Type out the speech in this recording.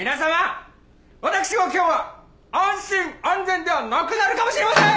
私も今日は安心安全ではなくなるかもしれません！